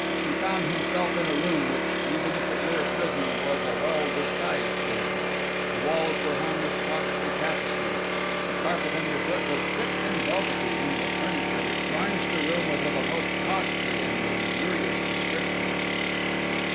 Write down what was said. He found himself in a room which, even if it were a prison, was a well disguised prison. The walls were hung with costly tapestry, the carpet under foot was thick and velvety and the furniture which garnished the room was of a most costly and luxurious description.